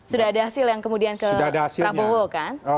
sudah ada hasil yang kemudian ke prabowo kan